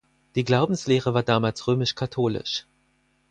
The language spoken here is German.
Die Glaubenslehre war damals römisch-katholisch.